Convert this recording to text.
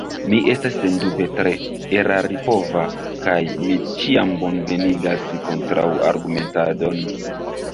Mi estas sendube tre eraripova, kaj mi ĉiam bonvenigas kontraŭargumentadon.